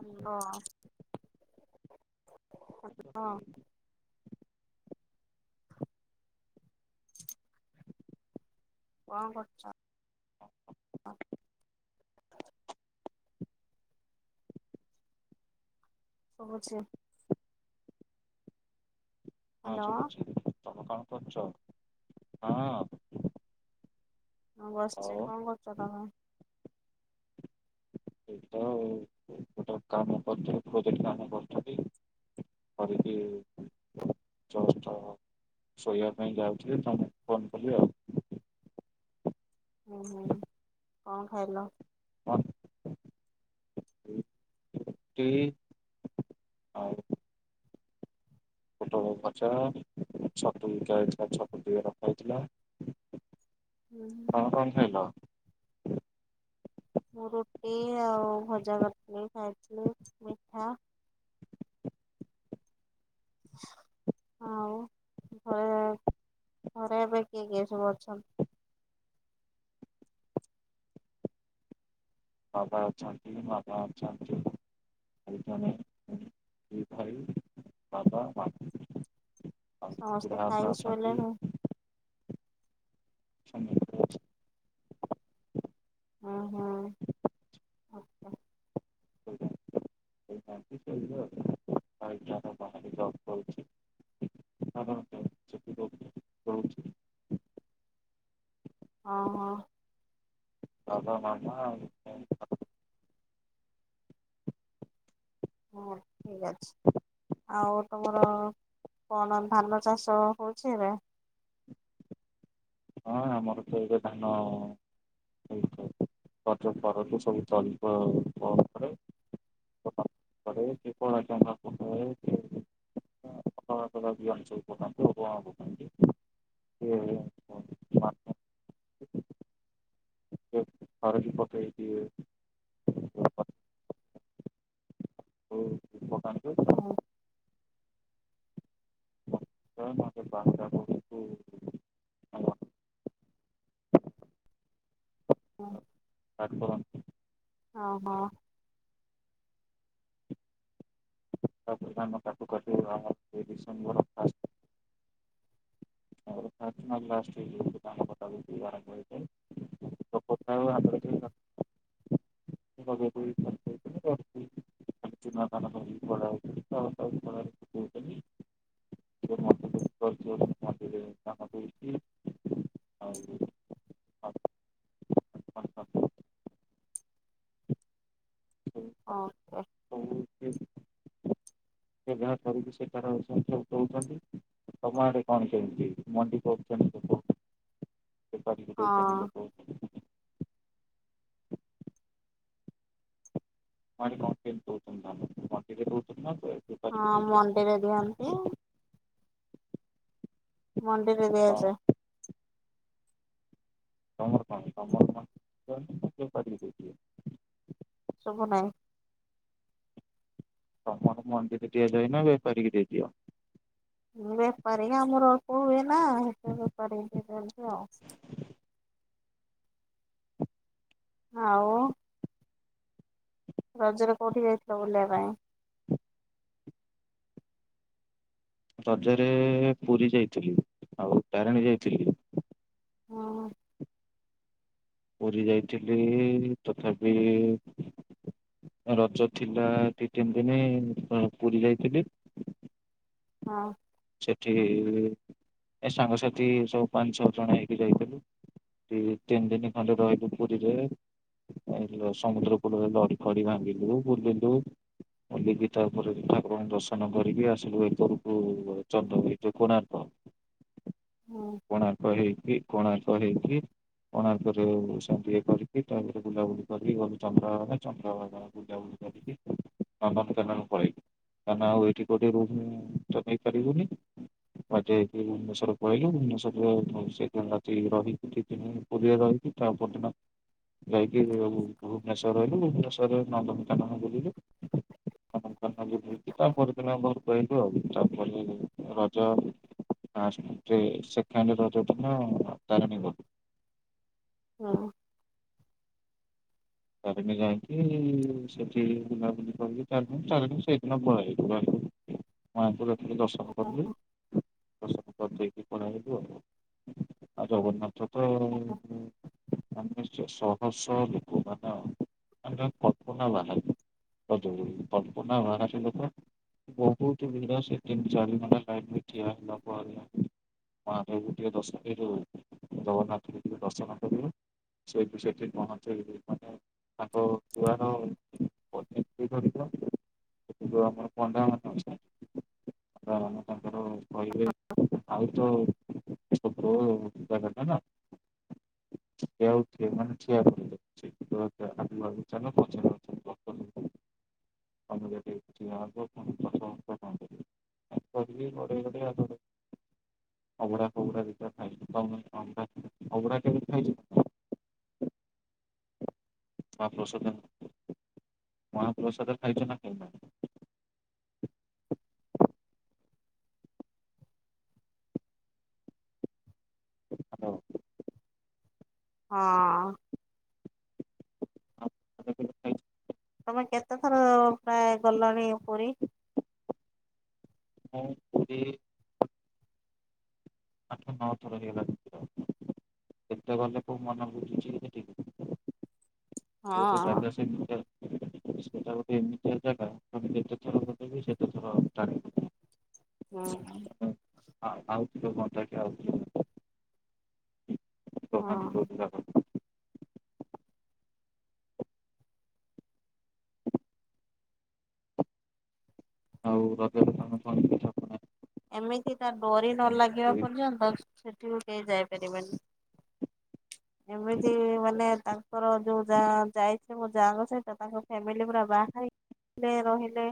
ଅ ହାଲୋ। ହଁ [inaudible] କଣ କରୁଚ? ଶୁବୁଛି। ହ ହ୍ୟାଲୋ ଶୁୁଭୁଛି ତମେ କାଣ କରଛ ହଁ? ହଁ ବସିଛି ଆଉ କଣ କରୁଛ ତମେ? ଏଇଠି ତ ଗୋଟେ କାମ କରୁ ଥିଲି ପ୍ରୋଜେଟ କାମ କରୁଥିଲି। କରିକି ଜଷ୍ଟ ଶୋଇବା ପାଇଁ ଯାଉଥିଲି ତମକୁ ଫୋନ କଲି ଆଉ। ହୁଁ ହୁଁ କଣ ଖାଇଲ? ହଁ ଟି ଗଛ ଛତୁ ବିକି ହେଇଥିଲା ଛତୁ ଟିକେ ରଖା ହେଇଥିଲା। ହୁଁ ତମେ କଣ ଖାଇଲ? ମୁଁ ରୁଟି ଆଉ ଭଜା କରିଥିଲି ଖାଇଥିଲି ମିଠା ଆଉ ଘରେ ଘରେ ଏବେ କିଏ କିଏ ସବୁ ଅଛ? ବାପା ଅଛନ୍ତି ମାମା ଅଛନ୍ତି। ଆଉ ଜଣେ ଦି ଭାଇ ବାବା ମା ଆଉ ବୁଢା ସମସ୍ତେ ବାପା ଖାଇକି ଅଛନ୍ତି। ଶୋଇଲେ ଣି। ସମସ୍ତେ ହୁଁ ହୁଁ ଆଚ୍ଛା। ଅଛନ୍ତି, ଶୋଇଥାନ୍ତି, ଶୋଇବେ ଆଉ। ଭାଇଟାର ବାହାରେ ଜବ୍ କରୁଛି ତାର ସେଠି ରହୁଛି ଓ ହୋ। ବାବା, ମାମା ଆଉ ହଁ ଠିକ ଅଛି। ଆଉ ତମର କଣ ଧାନ ଚାଷ ହଉଛି ଏବେ? [inaudible] [unintelligible] ଧାନ [unintelligible] କଳାକେନ୍ଦ୍ର ପଟୁ [inaudible] କିଏ ହଳଦୀ ପକେଇ ଦିଏ ପକାନ୍ତି ହୁଁ। ନହେଲେ ବାହୁଡ଼ା ବେଳକୁ ହୁଁ। କାଟ କରନ୍ତି ଅ ହୋ। ଡ଼ିସେମ୍ବର ଫାର୍ଷ୍ଟ ଲାଷ୍ଟିକ ଜଉ ଥିଲା ଲୋକ ପ୍ରାୟ ହାତରେ ଲଗେଇ ଦେଇ ଚୁନା ଧାନ ଧରିକି ଖଳା ହଉଛନ୍ତି ତ ତାକୁ ଖଳାରେ ଶୁଖଉଛନ୍ତି ମଣ୍ଡିରେ ଧାନ ଦଉଛି ଆଉ ଓକେ। ବ୍ୟବହାର ସେ ତାର ସେ ଦଉଛନ୍ତି। ତମ ଆଡେ କଣ କେମିତି ମଣ୍ଡି କରୁଛନ୍ତି? ବେପାରିକି ହଁ। ଦଉଛନ୍ତି ଲୋକ ତମ ଆଡେ କଣ କେମିତି ଦଉଛନ୍ତି ଧାନ ମଣ୍ଡିରେ ଦଉଛନ୍ତି ନା ହଁ ବେପାରିକି ଦଉଛନ୍ତି ମଣ୍ଡିରେ ଦିଅନ୍ତି। ମଣ୍ଡିରେ କଣ ଦିଆଯାଏ। ତମର କଣ ତମର ମଞ୍ଜି ବେପାରୀକି ଦେଇଦିଅ ଶୁଭୁନାହିଁ। ମଣ୍ଡି ରେ ଦିଆଯାଏ ନା ବେପାରିକି ଦେଇଦିଅ। ବେପାରୀ ଆମର ଅଳ୍ପ ହୁଏ ନା ହେଥିପାଇଁ ବେପାରୀ ଦେଇ ଦିଆତ୍ନି ଆଉ। [inaudible] ଆଉ ରଜରେ କୋଉଠିକି ଯାଇଥିଲ ବୁଲିବା ପାଇଁ। ରଜରେ ପୁରୀ ଯାଇଥିଲି ଆଉ ତାରିଣୀ ଯାଇଥିଲି। ହଁ। ପୁରୀ ଯାଇଥିଲି ତଥାପି ରଜ ଥିଲା ଦିଇ ତୀନିଦିନି ପୁରୀ ଯାଇଥିଲି। ହଁ। ସେଠି ଏ ସାଙ୍ଗସାଥି ସବୁ ପାଞ୍ଚ ଛଅ ଜଣ ହେଇକି ଯାଇଥିଲୁ। ଦ ତିନି ଦିନ ଖଦର ହିଲୁ ପୁରୀରେ। ସମୁଦ୍ର କୂଳରେ ଲଢ ଫଡି ଭାଙ୍ଗିଲୁ ବୁଲିଲୁ। ବୁଲିକି ତା ଉପରେ ଠାକୁରଙ୍କୁ ଦର୍ଶନ କରିବି ଆସିଲୁ ଏକରକୁ। ଏଇଠୁ ଯେ କୋଣାର୍କ ହୁଁ କୋଣାର୍କ ହେଇକି କୋଣାର୍କ। କଣ ହେଇକିରି କୋଣାର୍କରେଏ କରିକି ତାପରେ ବୁଲାବୁଲି କରିକି ଚନ୍ଦ୍ରଭାଗାନ ଚନ୍ଦ୍ରଭାଗାନ ବୁଲାବୁଲି ନନ୍ଦନକାନନ ପଳେଇକି କାରଣ ଆଉ ଏଇଠି ଗୋଟେ ରହୁମ କରିବୁନି। ମି ଭୁବନେଶ୍ର କହିଲି ଭୁବନେଶ୍ରରେ ସେଇିନ ରାତି ରହିକି ଦିଦିନପୁରୀ ରହି ତା ପଦର ଦିନ। ଯାଇକି ଭୁବନେଶ୍ଵର ରହିଲୁ ଭୁବନେଶ୍ଵରରେ ନନ୍ଦମିତାନ ବୁଲିଲେ। ତାପରଦିନ ଆମର କହିଲୁ ଆଉ ତାପରେ ରଜ। ଲଷ୍ଟେ ସେଣ୍ଡ ରଜ ଦିନ ତାାରିଣିଗଲୁ। ହଁ। ଚାରିଣି ଯାଇକି ସେଠି ବୁଲାବୁଲି କରିକି ଚାରଦିନ ଚାରିଣି ସେଇଦିନ ପଳେଇଲୁ। ମହାପୁରଥିଲି ଦର୍ଶନ କରିଲୁ ଦର୍ଶନ କରି ଦେଇକି ପ ଜଗନ୍ନାଥ ତ ଆାନେ ଶହ ଶହ ଲୋକମାନେ ମାନେ କଳ୍ପନା ବାହାରେ। ପନା ଭନା ସେ ଲୋକ। ବହୁତ ଭିଡ଼ା ସେ ତିନ ଚାରି ଘଣ୍ଟା ଲାଇନ ଠିଆ ହେଲା ପରେ। ଦଶନ ପାଇଲୁ। ସେଠୀ ପହଚିଲୁ ମାନେ [unintelligible] ଧରିବ ଯୋଉ ଆମର ପଣ୍ଡା ମାନେ ଅଛନ୍ତି ମାନେ ତାଙ୍କର କହିବେ ହଁ। ଆଉ ତ ଛୋଟ ଜାଗାଟା ନା ସେ ଆଉ ଠିଆ ମାନେ ଠିଆ କରିବେ ସେଇଥିପାଇଁ ଆଗକୁ ଆଗକୁ ଚାଲ ପଛରେ ପଛରେ ପଛ ତମେ ଯଦି ଠିଆ ହବ ପୁଣି ପଛ ଘୁଞ୍ଚା କଣ କରିବ। ଏମିତି କରିକି ଗଡେଇ ଗଡେଇ ଆଗରେ ଅଭଡା ଫଭଡା ଦିଟା ଖାଇଲୁ ତମେ ଅଭଡା ଅଭଡା କେବେ ଖାଇଛ [unintelligible] ପ୍ରସାଦ ଖାଇଚ ନା ଖା ହ୍ୟାଲୋ। ହଁ। ମହାପ୍ରସାଦ କେବେ ଖାଇଛ? ତମେ କେତେ ଥର ପ୍ରାୟ ଗଲଣି ପୁରୀ? ମୁଁ ପୁରୀ ଆଠ ନଅ ଥର ହେଇଗଲାଣି ଏତେ ଗଲେ କୋଉ ମନ ବୁଝୁଛି ସେଠିକି ଗୋଟେ ଜାଗା ହଁ। ସେମିତି ସେଟା [unintelligible] ଗଲେ ବି ସେତେ ଥର ଟାଣିବ ହଁ। ମାନେ ଆଉ ଥରେ ହୁଅନ୍ତା କି ଆଉ ଟିକେ ଦୋକାନ ହଁ। ଯୋଉଠି ଯାକ। ଆଉ ରଜରେ ତମେ କଣ ପିଠାପଣା ଏମିତି ତା ଡୋରି ନ କଣ ଲାଗିବା କରି ପର୍ଯ୍ୟନ୍ତ ସେଠିକୁ କେହି ଯାଇପାରିବେନି। ଏମିତି ମାନେ ତାଙ୍କର ଯୋଉ ଯା ଯାଇଛି ମୋ ଯାଙ୍କ ସହିତ ତାଙ୍କ ଫ୍ୟାମିଲି ପୁରା ବାହାହେଇ ରେ ରହିଲେ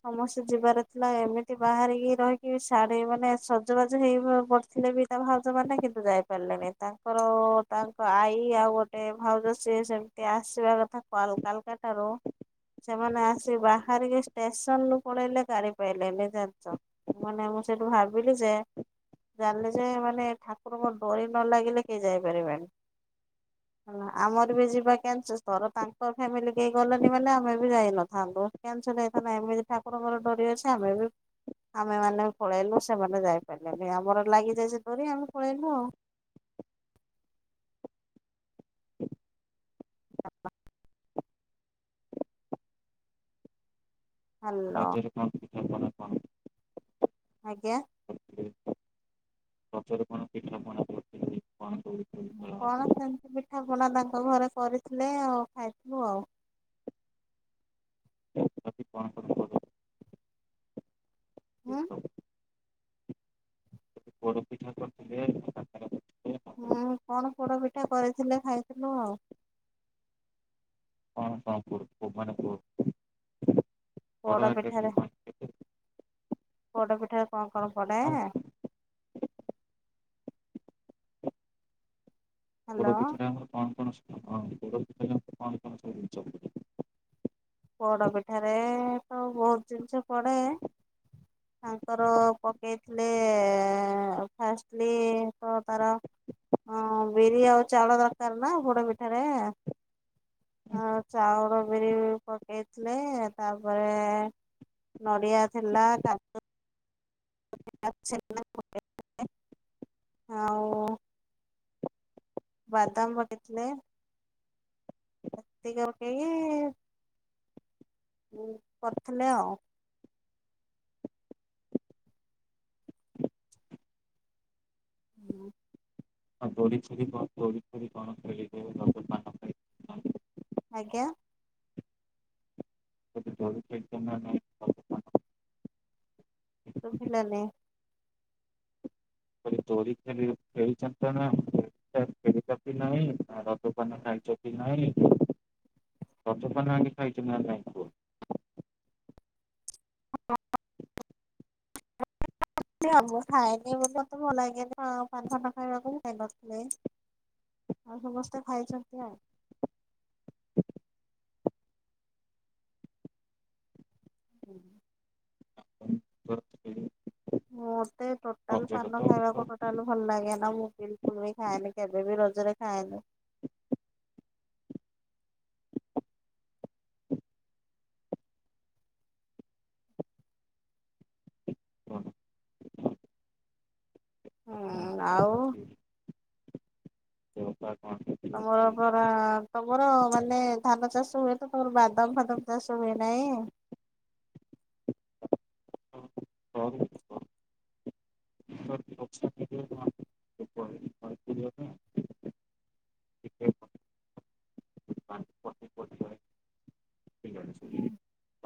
ସମସ୍ତେ ଯିବାର ଥିଲା ଏ ସେ ବାହାରିକି ରହିକି ଶାଢୀ ମାନେ ସଜବାଜ ହେଇ ପଡିଥିଲେ ବି ତା ଭାଉଜମାନେ କିନ୍ତୁ ଯାଇପାରିଲେନି। ନାଇ ନାଇ ତାଙ୍କର ତାଙ୍କ ଆଈ ଆଉ ଗୋଟେ ଭାଉଜ ସିଏ ସେମତି ଆସିବା କଥା କ କାଲକାଟାରୁ ସେମାନେ ଆସିି ବାହାରିକି ଷ୍ଟେସନରୁୁ ପଳେଇଲେ ଗାଡି ପାଇଲେନି। ଜାଣିଚ ମାନେ ମୁଁ ସେଇଠୁ ଭାବିଲି ଯେ ଜାଣିଲେ ଯେ ମାନେ ଠାକୁରଙ୍କ ଡରି ନ ଲାଗିଲେ କେହି ଯାଇପାରିବେନି ହେଲା ଆମର ବି ଯିବା କେତିୁ ତର ତାଙ୍କ ଫ୍ୟାମିଲି କେହି ଗଲୋନି ମାନେ ଆମେ ବି ଯାଇନଥାନ୍ତୁ କେ [unintelligible] ଠାକୁରଙ୍କର ଡୋରି ଅଛି ଆମେ ବି ଆମେ ମାନେ ପଳେଇଲୁ ସେମାନେ ଯାଇପାରିଲେନି ଆମର ଲାଗିଯାଇ ସେ ଧରି ଆମେ ପଳେଇଲୁ ଆଉ। [inaudible] [unintelligible] ହାଲୋ ରଜରେ କଣ? ପିଠାପଣା କଣ ଆଜ୍ଞା। କରିଥିଲେ ରଜରେ କଣ ପିଠାପଣା କରିଥିଲେ କଣ ଦୋଳି ଫୋଳି ଖେଳ କଣ ସେମିତି ପିଠା ପଣା ତାଙ୍କ ଘରେ କରିଥିଲେ ଆଉ। ଖାଇଥିଲୁ ଆଉ। ବାକି କଣ କଣ ହୁଁ। ପୋଡ଼ ପୋଡ଼ ପିଠା କରିଥିଲେ କାକରା କରିଥିଲେ କଣ ହୁଁ। କଣ ପୋଡ ପିଠା କରିଥିଲେ ଖାଇଥିଲୁ ଆଉ। କଣ ପୋଡ଼ ମାନେ ବଡ଼ ପୋଡ ଆକାରରେ ପିଠାରେ କଣ ପୋଡ ପିଠାରେ କଣକଣ ପଡେ? ଆଉ ପୋଡ଼ ହ୍ୟାଲୋ। ପିଠାରେ [unintelligible] ସବୁ ଜିନିଷ ପୋଡ ପିଠାରେ, ତ ବହୁତ ଜିନିଷ ପଡେ। ତାଙ୍କର ପକେଇଥିଲେ, ଫାଷ୍ଟଲି ତ ତାର ହଁ, ବିରି ଆଉ ଚାଉଳ ଦରକାର ନା ପୋଡ ପିଠାରେ ଆଉ ଚାଉଳ, ବିରି ପକେଇଥିଲେ। ତାପରେ ନଡ଼ିଆ ଥିଲା କା [unintelligible] ଆଉ। ବାଦାମ ବନେଇ ଥିଲେ। [unintelligible] କରିଥିଲେ ଆଉ। ହୁଁ। ଆଉ [unintelligible] ଆଜ୍ଞା। ଦୋଳି ଖେଳିଛନ୍ତି ନା ନାଇଁ ରଜ ପାନ ଶୁଭିଲା ନାହିଁ। ଏଇ [unintelligible] ନାଇଁ ରିଭିଉ। [unintelligible] [unintelligible] ମୁ ଖାଇନି ବୋଲି ତ, ଭଲ ଲାଗେ ନ ପାନ ଖ ନ ଖାଇବାକୁ ଖାଇ ନଥିଲେ। ଆଉ ସମସ୍ତେ ଖାଇଛନ୍ତି ଆଉ। ହୁଁ। ରଜରେ ହଁ। ମୋତେ ଟୋଟାଲ ପାନ ତ ଖାଇବାକୁ ଟୋଟାଲ ଭଲ ଲାଗେ ନା। ମୁଁ ବିଲକୁଲ ବି ଖାଏନି। କେବେ ବିି ରଜରେ ଖାଏନି। [inaudible] ହୁଁ ଆଉ। ତମର ପରା, ତମର ମାନେ ଧାନ ଚାଷ ହୁଏ। ତ ତମର ବାଦାମ ଫାଦମ ଚାଷ ହୁଏ ନାହିଁ। ନାଇଁ।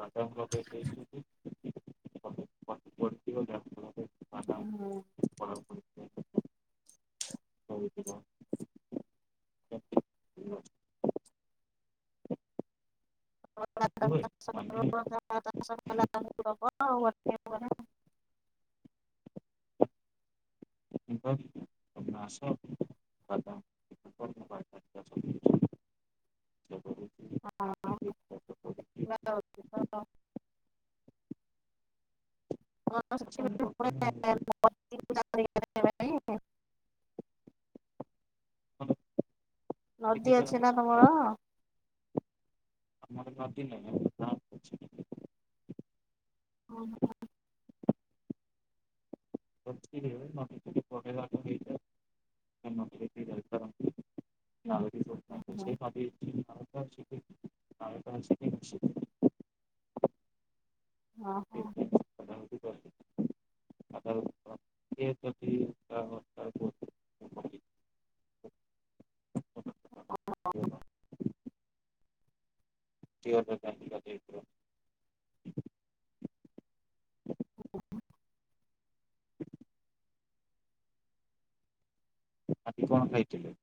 ମ୍ୟାଡ଼ାମ୍ ଲଗାଇ ଦେଇଛନ୍ତି ପଡ଼ିଥିବ ଯାହାଫଳରେ ମ୍ୟାଡ଼ାମ୍ ପଢ଼ାପଢ଼ି ହେଉଥିବ ହୁଏ ମାନେ [unintelligible] [inaudible] ହେଁ ଆସ। ମ୍ୟାଡ଼ାମ୍ ହଁ [unintelligible] [unintelligible] ନଦୀ ଅଛି ନା ତମର? [unintelligible] ହଁ। ନଦୀରେ ନଦୀ ଟିକେ ବଢ଼େଇବାଟ ହେଇଥାଏ ସେ ନଦୀରେ ସେ ଭାବ ଶିଖ ଶିଖ [unintelligible] ହ ହୋ। ଆଜି କଣ ହ। ଓହ। କଣ ଖାଇଥିଲେ?